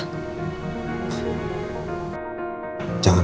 kamu akan bentar lagi bebas